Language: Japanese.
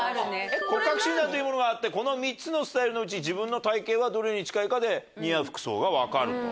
骨格診断というものがあってこの３つのスタイルのうち自分の体形はどれに近いかで似合う服装が分かると。